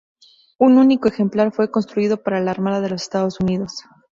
Un único ejemplar fue construido para la Armada de los Estados Unidos.